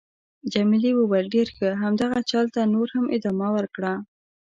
جميلې وويل:: ډېر ښه. همدغه چل ته نور هم ادامه ورکړه.